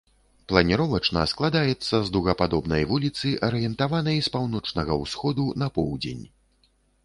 Планіровачна складаецца з дугападобнай вуліцы, арыентаванай з паўночнага ўсходу на поўдзень.